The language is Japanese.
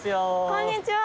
こんにちは。